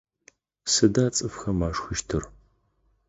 Сыда цӏыфхэм ашхыщтыр?